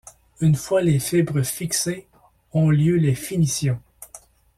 Une fois les fibres fixées, ont lieu les finitions.